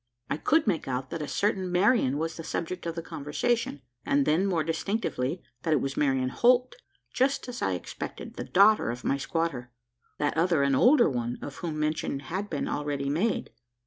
I could make out that a certain Marian was the subject of the conversation; and then more distinctively, that it was Marian Holt. Just as I expected, the daughter of my squatter: that other and older one, of whom mention had been already made.